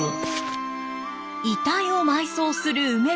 遺体を埋葬する埋め